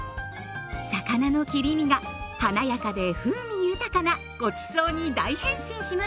魚の切り身が華やかで風味豊かなごちそうに大変身しますよ。